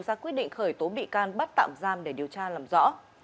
ra quyết định khởi tố bị can bắt tạm giam để điều tra làm rõ